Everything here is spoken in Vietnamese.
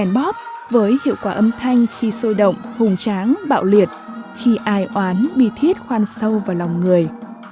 bóp với hiệu quả âm thanh khi sôi động hùng tráng bạo liệt khi ai oán bi thiết khoan sâu vào lòng người